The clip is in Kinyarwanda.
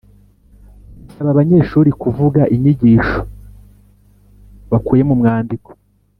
Gusaba abanyeshuri kuvuga inyigisho bakuye mu mwandiko